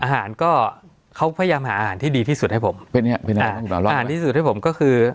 อาหารก็เขาพยายามหาอาหารที่ดีที่สุดให้ผมเป็นเนี้ยเป็นอาหารที่สุดให้ผมก็คือ